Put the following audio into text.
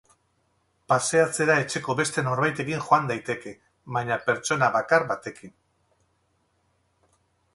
Paseatzera etxeko beste norbaitekin joan daiteke, baina pertsona bakar batekin.